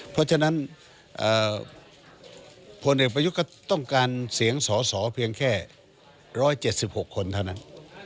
เพราะฉะนั้นพลเอกประยุทธ์ก็ต้องการเสียงสอสอเพียงแค่๑๗๖คนเท่านั้น